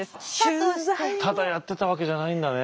ただやってたわけじゃないんだね！